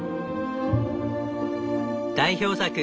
代表作